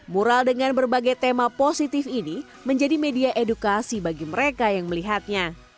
mural dengan berbagai tema positif ini menjadi media edukasi bagi mereka yang melihatnya